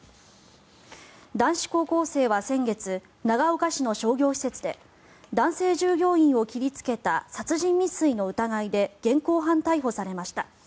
男子高校生は先月長岡市の商業施設で男性従業員を切りつけた殺人未遂の疑いで現行犯逮捕されました。